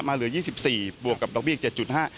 เหลือ๒๔บวกกับดอกเบี้ย๗๕